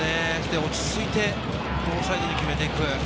落ち着いてサイドに決めていく。